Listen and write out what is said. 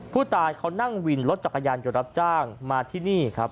ผู้ตายเขานั่งวินรถจักรยานยนต์รับจ้างมาที่นี่ครับ